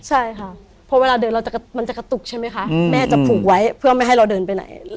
ใช่ค่ะเพราะเวลาเดินเราจะกระตุกใช่ไหมคะแม่จะผูกไว้เพื่อไม่ให้เราเดินไปไหน